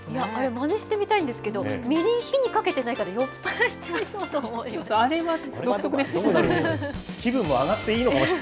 まねしてみたいんですけど、みりん、火にかけてないから酔っぱらっちゃいそうと思いました。